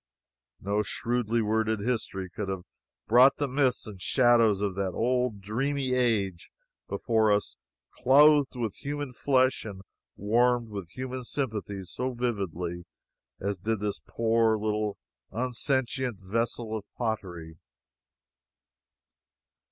No shrewdly worded history could have brought the myths and shadows of that old dreamy age before us clothed with human flesh and warmed with human sympathies so vividly as did this poor little unsentient vessel of pottery.